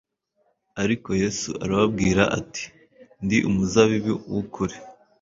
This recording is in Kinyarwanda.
Ariko Yesu arababwira ati: "Ndi umuzabibu w'ukuri."